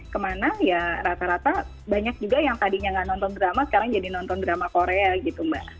kemana ya rata rata banyak juga yang tadinya nggak nonton drama sekarang jadi nonton drama korea gitu mbak